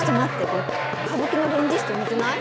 これ歌舞伎の連獅子と似てない？